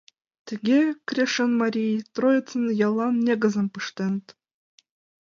Тыге Крешын марий-влак Троицын яллан негызым пыштеныт.